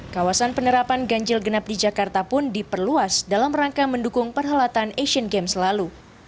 kawasan penerapan ganjil genap di jakarta pun diperluas dalam rangka mendukung perhelatan asian games lalu